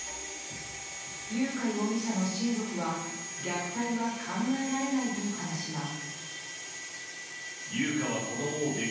優花容疑者の親族は虐待は考えられないと話します。